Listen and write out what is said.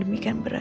terima kasih bu